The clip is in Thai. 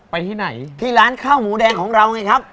ที่ไหนที่ร้านข้าวหมูแดงของเราไงครับ